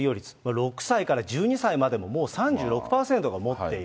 ６歳から１２歳までももう３６％が持っている。